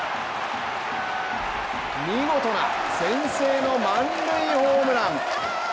見事な先制の満塁ホームラン！